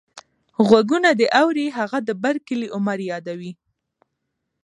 غوږونه دې اوري هغه د بر کلي عمر يادوې.